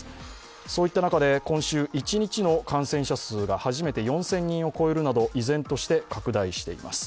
そういった中で今週、一日の感染者数が初めて４０００人を超えるなど依然として拡大しています。